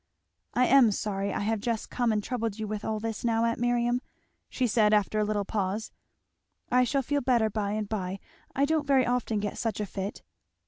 I am sorry I have just come and troubled you with all this now, aunt Miriam," she said after a little pause, "I shall feel better by and by I don't very often get such a fit."